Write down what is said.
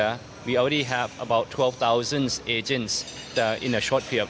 kami sudah memiliki sekitar dua belas agen dalam waktu pendek